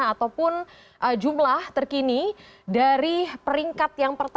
ataupun jumlah terkini dari peringkat yang pertama